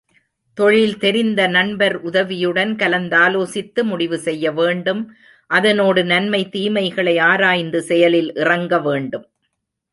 தொழில் தெரிந்த நண்பர் உதவியுடன் கலந்தாலோசித்து முடிவுசெய்ய வேண்டும் அதனோடு நன்மை தீமைகளை ஆராய்ந்து செயலில் இறங்கவேண்டும்.